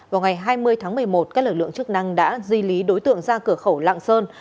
vào ngày hai mươi tháng một mươi một các lực lượng chức năng đã di lý đối tượng ra cửa khẩu lạng sơn